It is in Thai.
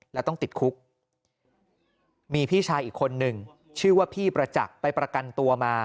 แล้วต้องติดคุกมีพี่ชายอีกคนนึงชื่อว่าพี่ประจักษ์ไปประกันตัวมา